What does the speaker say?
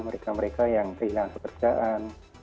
mereka mereka yang kehilangan pekerjaan